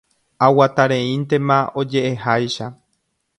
Aguatareíntema oje'eháicha.